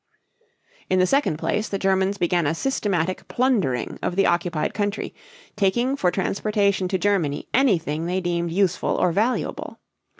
In the second place, the Germans began a systematic plundering of the occupied country, taking for transportation to Germany anything they deemed useful or valuable.